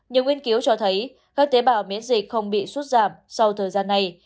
những nguyên cứu cho thấy các tế bào miễn dịch không bị xuất giảm sau thời gian này